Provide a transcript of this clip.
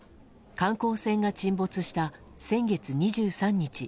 観光船が沈没した先月２３日